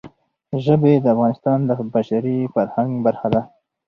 ژبې د افغانستان د بشري فرهنګ برخه ده.